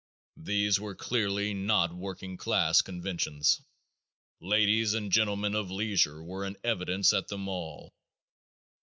These were clearly not working class conventions. Ladies and gentlemen of leisure were in evidence at them all.